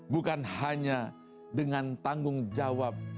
bukan hanya dengan tanggung jawab